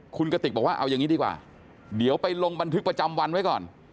คุณกติกบอกว่าเอาอย่างนี้ดีกว่าเดี๋ยวไปลงบันทึกประจำวันไว้ก่อน